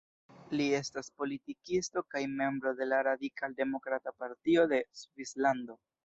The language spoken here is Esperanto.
Li estas politikisto kaj membro de la Radikal-demokrata partio de Svislando.